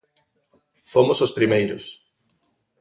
Fomos os primeiros.